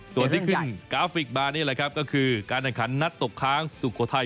ส่วนที่ขึ้นกราฟิกมานี่แหละครับก็คือการแข่งขันนัดตกค้างสุโขทัย